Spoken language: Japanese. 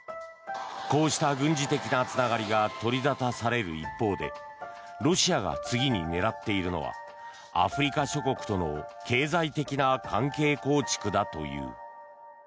こうした軍事的なつながりが取り沙汰される一方でロシアが次に狙っているのはアフリカ諸国との経済的な関係構築だという。